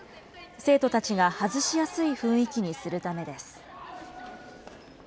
生徒たちが外しやすい雰囲気にするためです。